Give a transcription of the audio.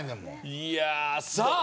いやさあ